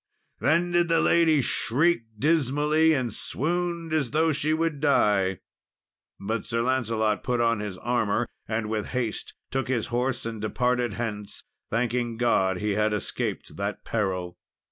Then did the lady shriek dismally, and swooned as though she would die. But Sir Lancelot put on his armour, and with haste took his horse and departed thence, thanking God he had escaped that peril.